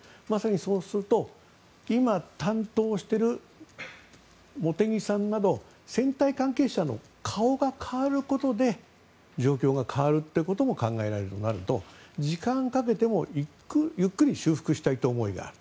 そうすると今担当している茂木さんなど選対関係者の顔が代わることで状況が変わるということも考えられるようになると時間をかけても、ゆっくり修復したいという思いがある。